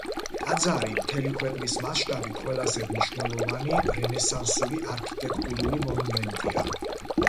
ტაძარი მთელი ქვეყნის მასშტაბით ყველაზე მნიშვნელოვანი რენესანსული არქიტექტურული მონუმენტია.